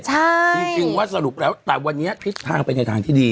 จริงว่าสรุปแล้วแต่วันนี้ทิศทางไปในทางที่ดี